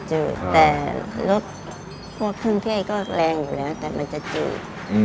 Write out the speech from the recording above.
จืดแต่รสพวกเท่าไหร่ก็แรงอยู่แล้วแต่มันจะจืด